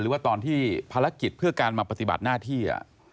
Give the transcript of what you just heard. หรือว่าตอนที่ภารกิจเพื่อการมาปฏิบัติหน้าที่